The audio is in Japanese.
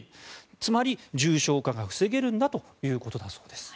つまり、重症化が防げるんだということだそうです。